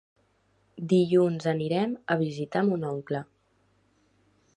Dilluns anirem a visitar mon oncle.